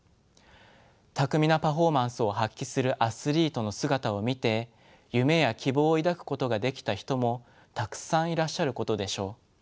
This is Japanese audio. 巧みなパフォーマンスを発揮するアスリートの姿を見て夢や希望を抱くことができた人もたくさんいらっしゃることでしょう。